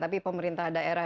tapi pemerintah daerah